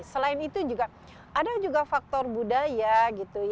selain itu juga ada juga faktor budaya gitu